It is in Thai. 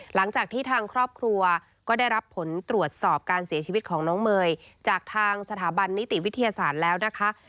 หลังจากที่ทางครอบครัวก็ได้รับผลตรวจสอบการเสียชีวิตของน้องเมย์จากทางสถาบันนิติวิทยาศาสตร์แล้วนะคะ